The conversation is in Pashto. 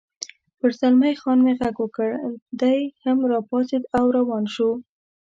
پر زلمی خان مې غږ وکړ، دی هم را پاڅېد او روان شو.